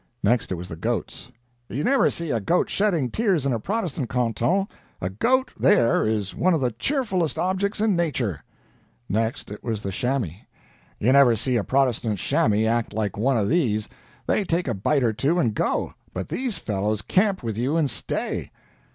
Next it was the goats: "You never see a goat shedding tears in a Protestant canton a goat, there, is one of the cheerfulest objects in nature." Next it was the chamois: "You never see a Protestant chamois act like one of these they take a bite or two and go; but these fellows camp with you and stay."